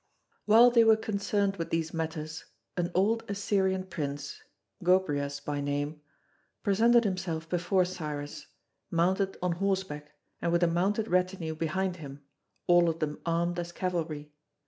[C.6] While they were concerned with these matters, an old Assyrian prince, Gobryas by name, presented himself before Cyrus, mounted on horseback and with a mounted retinue behind him, all of them armed as cavalry.